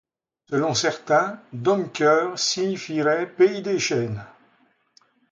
Selon certains, Domqueur signifierait pays des chênes.